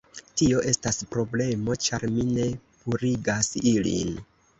Tio estas problemo ĉar mi ne purigas ilin